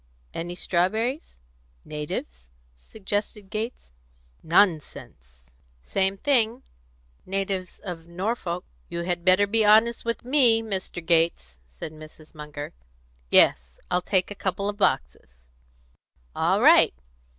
"Any strawberries? natives?" suggested Gates. "Nonsense!" "Same thing; natives of Norfolk." "You had better be honest with me, Mr. Gates," said Mrs. Munger. "Yes, I'll take a couple of boxes." "All right!